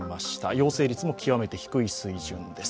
陽性率も極めて低い水準です。